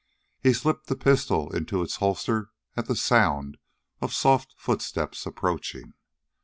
He slipped the pistol into its holster at the sound of soft footsteps approaching.